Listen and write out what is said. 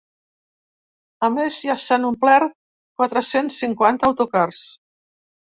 A més, ja s’han omplert quatre-cents cinquanta autocars.